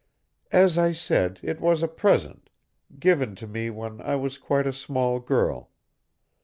"As I said, it was a present, given to me when I was quite a small girl.